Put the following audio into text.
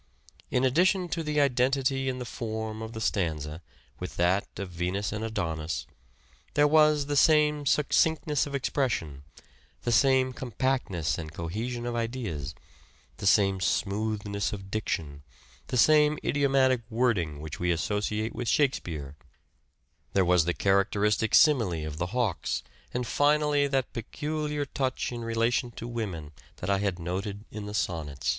In addition to the identity in the form of the stanza with that of " Venus and Adonis," there was the same succinctness of expression, the same compactness and cohesion of ideas, the same smoothness of diction, the same idiomatic wording which we associate with " Shakespeare "; there was the characteristic simile of the hawks, and finally that peculiar touch in relation to women that I had noted in the sonnets.